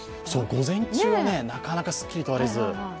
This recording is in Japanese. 午前中はなかなかすっきりと晴れず。